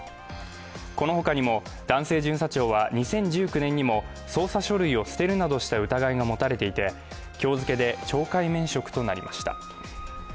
このほかにも男性巡査長は２０１９年にも捜査書類を捨てるなどした疑いが持たれていて今日付で懲戒免職となりました。